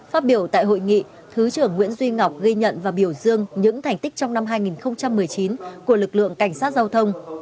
phát biểu tại hội nghị thứ trưởng nguyễn duy ngọc ghi nhận và biểu dương những thành tích trong năm hai nghìn một mươi chín của lực lượng cảnh sát giao thông